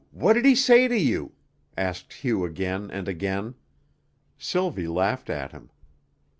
What did he say to you?" asked Hugh again and again. Sylvie laughed at him.